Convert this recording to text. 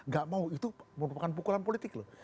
gak mau itu merupakan pukulan politik loh